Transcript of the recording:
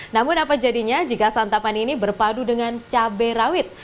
namun apa jadinya jika santapan ini berpadu dengan cabai rawit